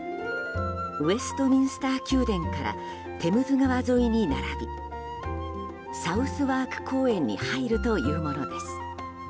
ウェストミンスター宮殿からテムズ川沿いに並びサウスワーク公園に入るというものです。